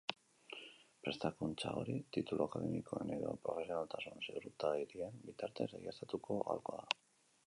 Prestakuntza hori titulu akademikoen edo profesionaltasun ziurtagirien bitartez egiaztatu ahalko da.